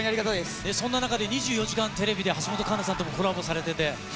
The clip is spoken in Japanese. そんな中で、２４時間テレビで橋本環奈さんともコラボされてて。